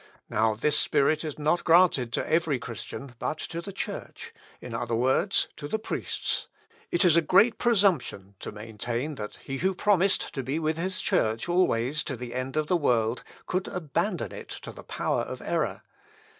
Now this spirit is not granted to every Christian, but to the Church; in other words, to the priests. It is great presumption to maintain, that he who promised to be with his Church always to the end of the world, could abandon it to the power of error.